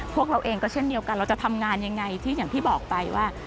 พวกเราเองก็เช่นเดียวกันเราจะทำงานยังไงที่อย่างที่บอกไปว่า